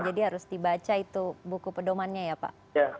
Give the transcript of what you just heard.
jadi harus dibaca itu buku pedoman nya ya pak